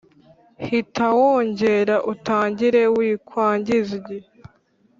hita wongera utangire wikwangiza igihe